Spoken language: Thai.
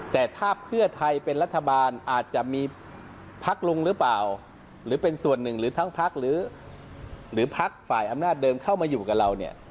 แต่ถ้าเพื่อไทยเป็นรัฐบาลอาจจะมีพักลุงหรือเปล่าหรือเป็นส่วนหนึ่งหรือทั้งพักหรือพักฝ่ายอำนาจเดิมเข้ามาอยู่กับเราเนี่ย